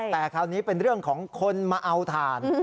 แต่คราวนี้เป็นเรื่องของคนมาเอาถ่าน